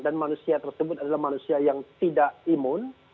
dan manusia tersebut adalah manusia yang tidak imun